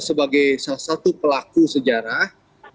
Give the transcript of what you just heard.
sebagai salah satu pelaku sejarah